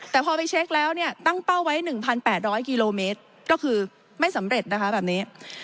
แต่พอไปเช็คแล้วเนี่ยตั้งเป้าไว้๑๘๐๐กิโลเมตรก็คือไม่สำเร็จนะคะแบบนี้